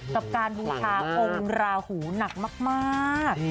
กับการบูชาองค์ราหูหนักมาก